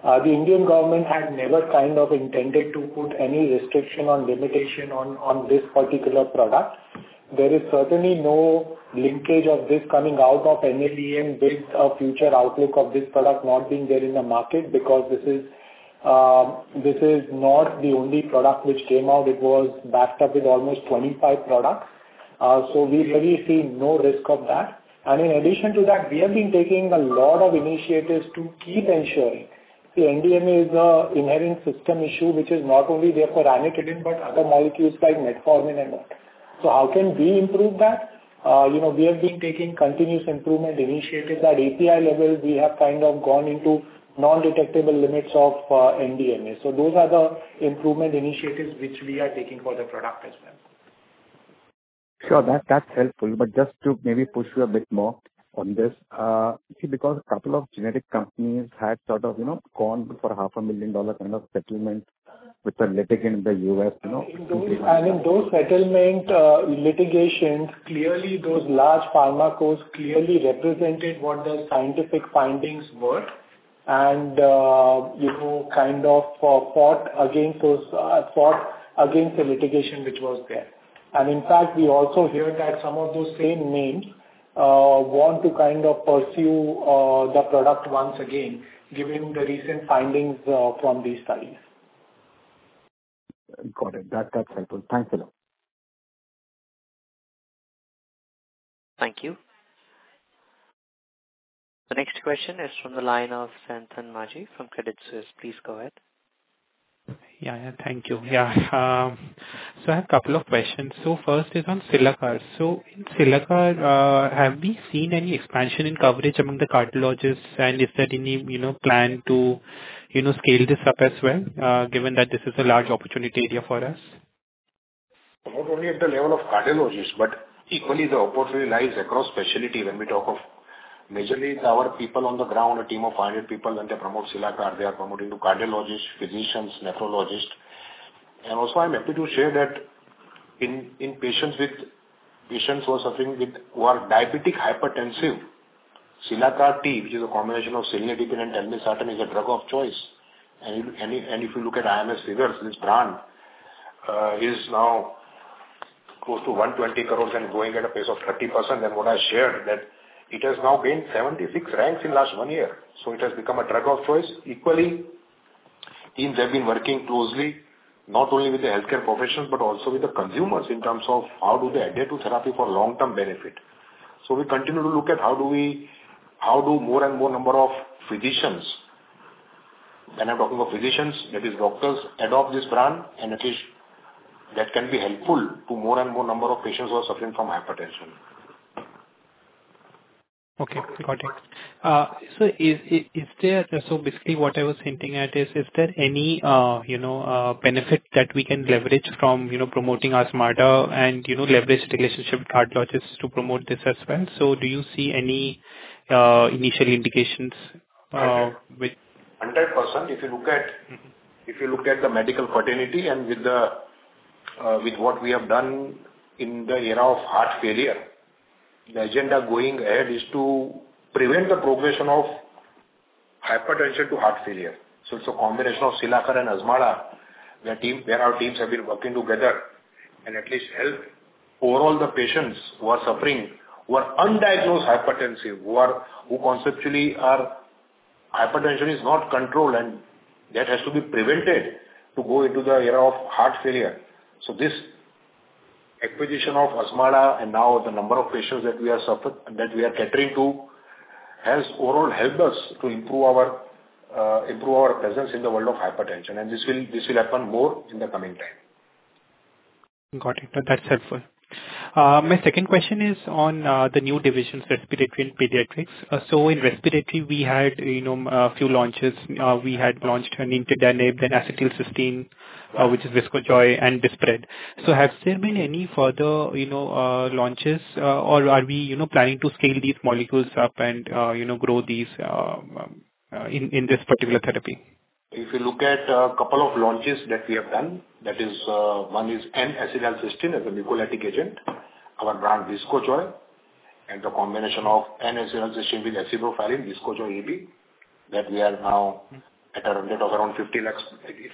The Indian government had never kind of intended to put any restriction or limitation on this particular product. There is certainly no linkage of this coming out of NLEM with a future outlook of this product not being there in the market because this is not the only product which came out. It was backed up with almost 25 products. So we really see no risk of that. In addition to that, we have been taking a lot of initiatives to keep ensuring. See, NDMA is an inherent system issue, which is not only there for ranitidine, but other molecules like metformin and what. How can we improve that? You know, we have been taking continuous improvement initiatives. At API level, we have kind of gone into non-detectable limits of NDMA. Those are the improvement initiatives which we are taking for the product as well. Sure. That's helpful. Just to maybe push you a bit more on this, because a couple of generic companies had sort of, you know, gone for $500,000 kind of settlement with a litigant in the US, you know In those settlements, litigations, clearly those large pharma cos clearly represented what the scientific findings were and, you know, kind of fought against the litigation which was there. In fact, we also hear that some of those same names want to kind of pursue the product once again, given the recent findings from these studies. Got it. That, that's helpful. Thanks a lot. Thank you. The next question is from the line of Sayantan Majhi from Credit Suisse. Please go ahead. Thank you. I have a couple of questions. First is on Cilacar. In Cilacar, have we seen any expansion in coverage among the cardiologists? And is there any, you know, plan to, you know, scale this up as well, given that this is a large opportunity area for us? Not only at the level of cardiologists, but equally the opportunity lies across specialty when we talk of. Majorly it's our people on the ground, a team of 100 people when they promote Cilacar, they are promoting to cardiologists, physicians, nephrologists. Also I'm happy to share that in patients who are suffering with who are diabetic hypertensive, Cilacar T, which is a combination of cilnidipine and telmisartan, is a drug of choice. If you look at IQVIA figures, this brand is now close to 120 crore and growing at a pace of 30%. What I shared that it has now been 76 ranks in last one year, so it has become a drug of choice. Equally, teams have been working closely, not only with the healthcare professionals, but also with the consumers in terms of how do they adhere to therapy for long-term benefit. We continue to look at how do we, how do more and more number of physicians, when I'm talking about physicians, that is doctors, adopt this brand and at least that can be helpful to more and more number of patients who are suffering from hypertension. Okay. Got it. Basically what I was hinting at is there any, you know, benefit that we can leverage from, you know, promoting Azmarda and, you know, leverage relationship with cardiologists to promote this as well? Do you see any initial indications with- 100%. If you look at Mm-hmm. If you look at the medical fraternity and with what we have done in the area of heart failure, the agenda going ahead is to prevent the progression of hypertension to heart failure. It's a combination of Cilacar and Azmarda, where our teams have been working together and at least help overall the patients who are suffering, who are undiagnosed hypertensive, who conceptually are hypertension is not controlled, and that has to be prevented to go into the area of heart failure. This acquisition of Azmarda and now the number of patients that we are catering to, has overall helped us to improve our presence in the world of hypertension. This will happen more in the coming time. Got it. That's helpful. My second question is on the new divisions, respiratory and pediatrics. In respiratory we had, you know, a few launches. We had launched an which is Viscojoy and Dispred. Has there been any further, you know, launches, or are we, you know, planning to scale these molecules up and, you know, grow these in this particular therapy? If you look at a couple of launches that we have done, that is, one is N-acetylcysteine as a mucolytic agent, our brand Viscojoy, and the combination of N-acetylcysteine with azithromycin, Viscojoy AB, that we are now at a rate of around 50 lakhs.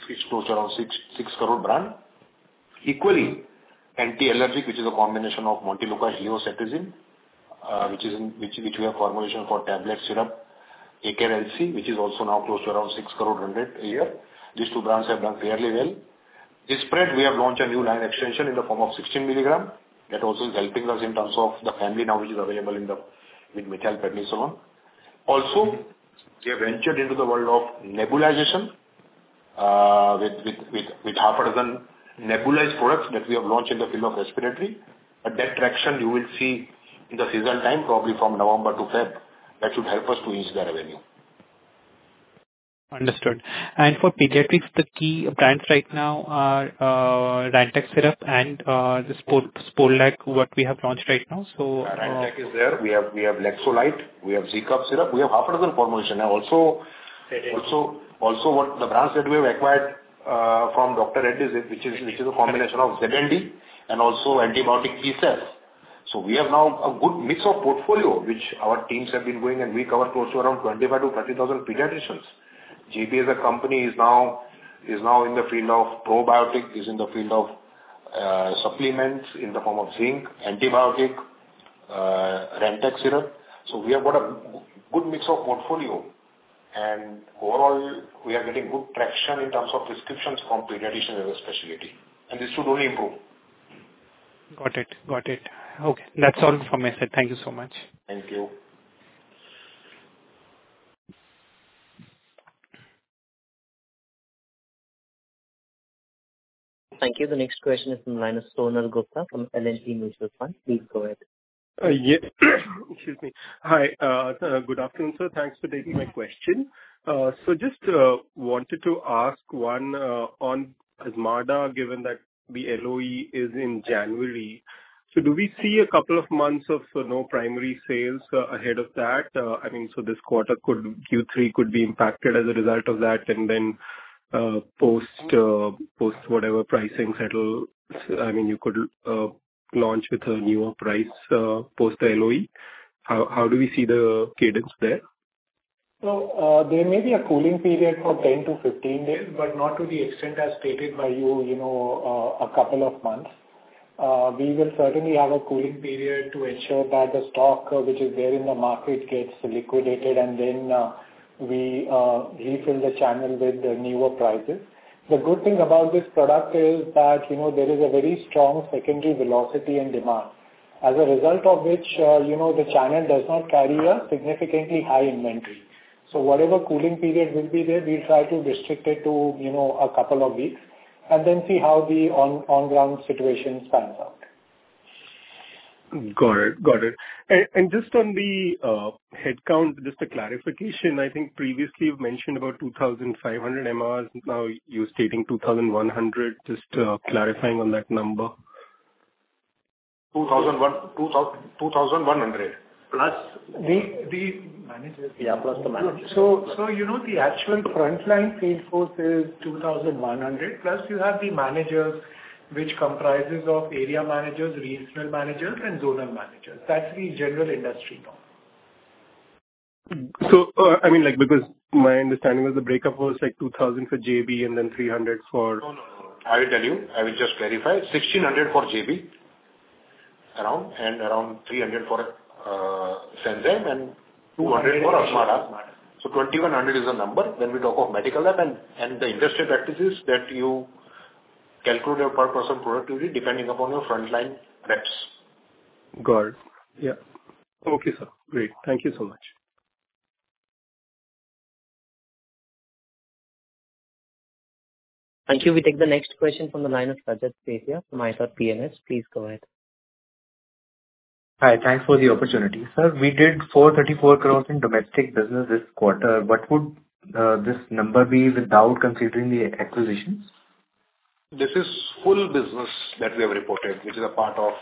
It's close to around 66 crore brand. Equally, antiallergic, which is a combination of montelukast and cetirizine, which we have formulation for tablet syrup, Akair LC, which is also now close to around 160 crore a year. These two brands have done fairly well. Dispred, we have launched a new line extension in the form of 16 mg. That also is helping us in terms of the family now, which is available with methylprednisolone. We have ventured into the world of nebulization, with half a dozen nebulized products that we have launched in the field of respiratory. That traction you will see in the season time, probably from November to February, that should help us to ease the revenue. Understood. For pediatrics, the key brands right now are Rantac syrup and the Sporlac, what we have launched right now. Rantac is there. We have Laxolite. We have Zecuf syrup. We have half a dozen formulations. Also, the brands that we have acquired from Sanzyme, which is a combination of zinc and also probiotic Sporlac. We have now a good mix of portfolio which our teams have been doing, and we cover close to around 25-30,000 pediatricians. Sanzyme as a company is now in the field of probiotic, is in the field of supplements in the form of zinc, probiotic, Rantac syrup. We have got a good mix of portfolio and overall we are getting good traction in terms of prescriptions from pediatricians as a specialty and this should only improve. Got it. Got it. Okay. That's all from my side. Thank you so much. Thank you. Thank you. The next question is from the line of Sonal Gupta from L&T Mutual Fund. Please go ahead. Good afternoon, sir. Thanks for taking my question. Just wanted to ask one on Azmarda, given that the LOE is in January. Do we see a couple of months of no primary sales ahead of that? I mean, Q3 could be impacted as a result of that, and then post whatever pricing settle, I mean, you could launch with a newer price post the LOE. How do we see the cadence there? There may be a cooling period for 10-15 days, but not to the extent as stated by you know, a couple of months. We will certainly have a cooling period to ensure that the stock which is there in the market gets liquidated, and then, we refill the channel with the newer prices. The good thing about this product is that, you know, there is a very strong secondary velocity and demand, as a result of which, you know, the channel does not carry a significantly high inventory. Whatever cooling period will be there, we'll try to restrict it to, you know, a couple of weeks and then see how the on-ground situation pans out. Got it. Just on the headcount, just a clarification. I think previously you've mentioned about 2,500 MRs. Now you're stating 2,100. Just clarifying on that number. 2001, 2100 plus the managers. Yeah, plus the managers. You know the actual frontline field force is 2,100, plus you have the managers which comprises of area managers, regional managers and zonal managers. That's the general industry norm. I mean, like, because my understanding was the breakup was like 2,000 for JB and then 300 for- No, no. I will tell you. I will just clarify. 1,600 for JB around 300 for Sanzyme and 200 for Azmarda. Azmarda. 2,100 is the number when we talk of medical rep and the industry practice is that you calculate your per person productivity depending upon your frontline reps. Got it. Yeah. Okay, sir. Great. Thank you so much. Thank you. We take the next question from the line of Rajat Setiya from ithought PMS. Please go ahead. Hi, thanks for the opportunity. Sir, we did 434 crore in domestic business this quarter. What would this number be without considering the acquisitions? This is full business that we have reported, which is a part of.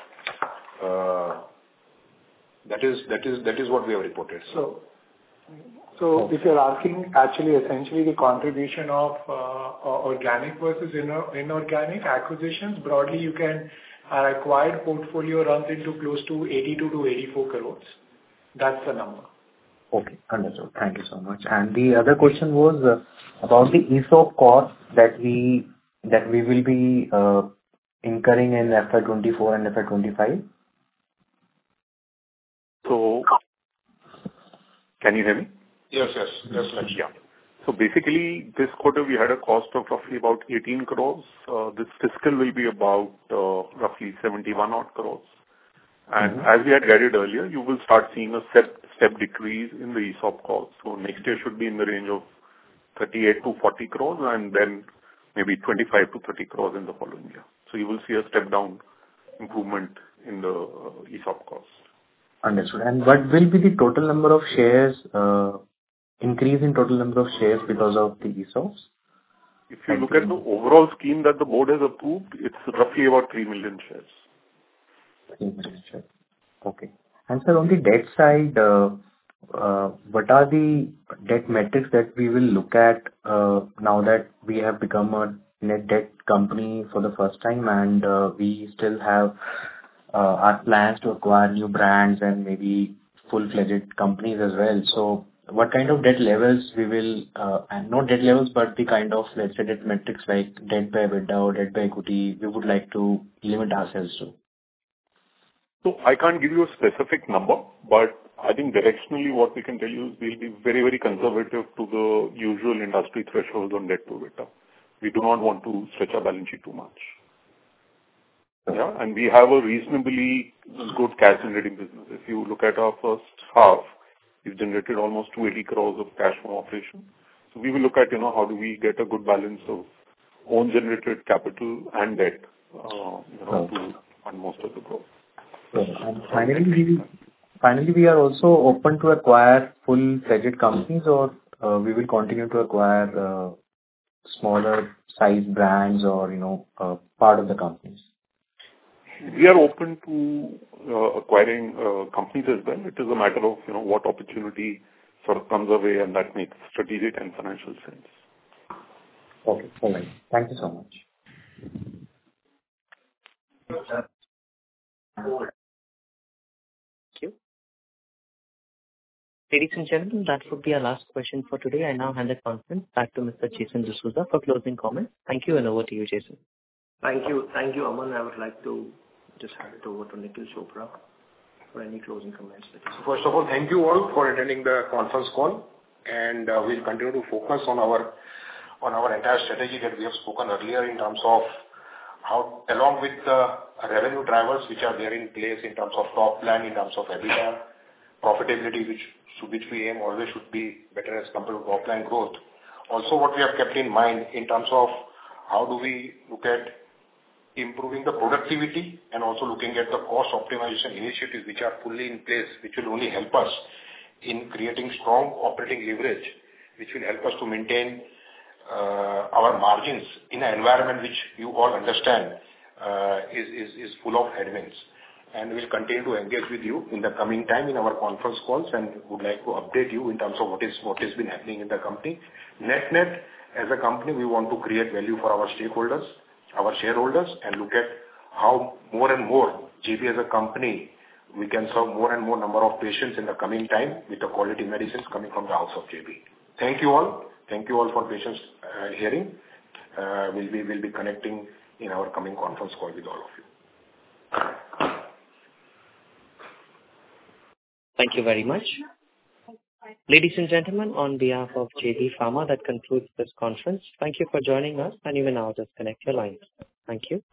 That is what we have reported, sir. If you're asking actually essentially the contribution of organic versus inorganic acquisitions, broadly you can. Our acquired portfolio runs into close to 82 crores-84 crores. That's the number. Okay. Understood. Thank you so much. The other question was about the ESOP cost that we will be incurring in FY 2024 and FY 2025. So- Can you hear me? Yes. Yes. Basically this quarter we had a cost of roughly about 18 crore. This fiscal will be about roughly 71-odd crore. As we had guided earlier, you will start seeing a step decrease in the ESOP cost. Next year should be in the range of 38 crore-40 crore, and then maybe 25 crore-30 crore in the following year. You will see a step-down improvement in the ESOP cost. Understood. What will be the total number of shares, increase in total number of shares because of the ESOPs? If you look at the overall scheme that the board has approved, it's roughly about 3 million shares. 3 million shares. Okay. Sir, on the debt side, what are the debt metrics that we will look at, now that we have become a net debt company for the first time and, we still have, our plans to acquire new brands and maybe full-fledged companies as well. What kind of, let's say, debt metrics like debt by EBITDA, debt by equity we would like to limit ourselves to? I can't give you a specific number, but I think directionally, what we can tell you, we'll be very, very conservative to the usual industry thresholds on debt to EBITDA. We do not want to stretch our balance sheet too much. Okay. Yeah. We have a reasonably good cash generating business. If you look at our first half, we've generated almost 20 crores of cash from operations. We will look at, you know, how do we get a good balance of own generated capital and debt, you know, to fund most of the growth. Finally, we are also open to acquire full-fledged companies, or we will continue to acquire smaller size brands or, you know, part of the companies. We are open to acquiring companies as well. It is a matter of, you know, what opportunity sort of comes our way and that makes strategic and financial sense. Okay. All right. Thank you so much. Mm-hmm. Thank you. Ladies and gentlemen, that would be our last question for today. I now hand the conference back to Mr. Jason D'Souza for closing comments. Thank you and over to you, Jason. Thank you. Thank you, Aman. I would like to just hand it over to Nikhil Chopra for any closing comments. First of all, thank you all for attending the conference call, and we'll continue to focus on our entire strategy that we have spoken earlier in terms of how, along with the revenue drivers which are there in place in terms of top line, in terms of EBITDA profitability, which we aim always should be better as compared to top line growth. Also what we have kept in mind in terms of how do we look at improving the productivity and also looking at the cost optimization initiatives which are fully in place, which will only help us in creating strong operating leverage, which will help us to maintain our margins in an environment which you all understand is full of headwinds. We'll continue to engage with you in the coming time in our conference calls. Would like to update you in terms of what is, what has been happening in the company. Net-net, as a company, we want to create value for our stakeholders, our shareholders, and look at how more and more JB as a company, we can serve more and more number of patients in the coming time with the quality medicines coming from the house of JB. Thank you all. Thank you all for patience, hearing. We'll be connecting in our coming conference call with all of you. Thank you very much. Ladies and gentlemen, on behalf of JB Pharma, that concludes this conference. Thank you for joining us and you may now disconnect your lines. Thank you.